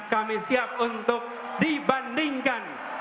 kami siap untuk dibandingkan